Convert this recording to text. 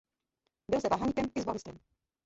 Byl zde varhaníkem i sbormistrem.